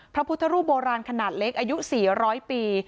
พระพุทธรูปโบราณขนาดเล็กอายุ๔๐๐ปี